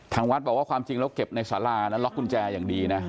ทางวัดบอกว่าความจริงแล้วเก็บในสารานะล็อกกุญแจอย่างดีนะ